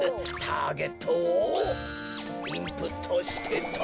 ターゲットをインプットしてと。